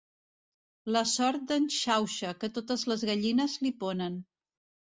La sort d'en Xauxa, que totes les gallines li ponen.